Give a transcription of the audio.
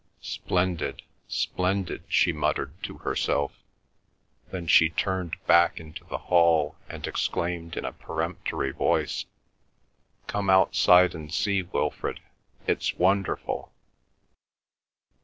"Splendid! Splendid!" she muttered to herself. Then she turned back into the hall and exclaimed in a peremptory voice, "Come outside and see, Wilfrid; it's wonderful."